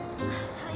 はい。